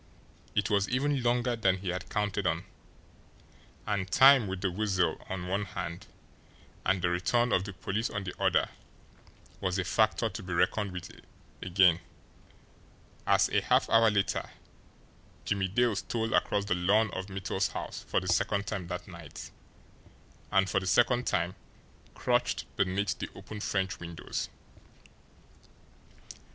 It was even longer than he had counted on, and time, with the Weasel on one hand and the return of the police on the other, was a factor to be reckoned with again, as, a half hour later, Jimmie Dale stole across the lawn of Mittel's house for the second time that night, and for the second time crouched beneath the open French windows.